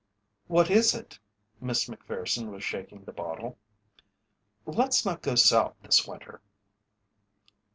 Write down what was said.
"What is it?" Miss Macpherson was shaking the bottle. "Let's not go South this winter."